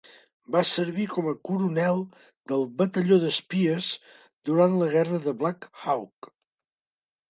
Va servir com a coronel del "Batalló d'espies" durant la Guerra de Black Hawk.